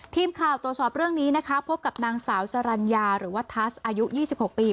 ทีมข่าวตรวจสอบเรื่องนี้นะคะพบกับนางสาวสรรญาหรือว่าทัสอายุ๒๖ปี